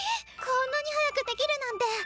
こんなに早くできるなんて。